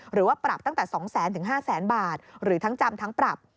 หรือว่าปรับตั้งแต่๒๐๐๐๕๐๐๐๐บาทหรือทั้งจำทั้งปรับ